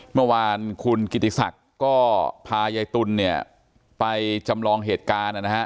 เมื่อวานคุณกิติศักดิ์ก็พายายตุลเนี่ยไปจำลองเหตุการณ์นะฮะ